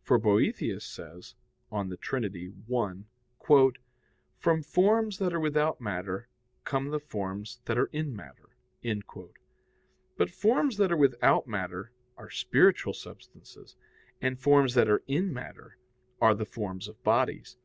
For Boethius says (De Trin. i): "From forms that are without matter come the forms that are in matter." But forms that are without matter are spiritual substances, and forms that are in matter are the forms of bodies.